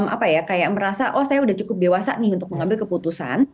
apa ya kayak merasa saya sudah cukup dewasa nih untuk mengambil keputusan